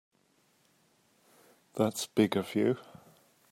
That's big of you.